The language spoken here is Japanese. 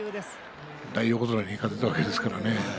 大横綱に勝てたわけですからね。